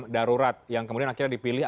darurat yang kemudian akhirnya dipilih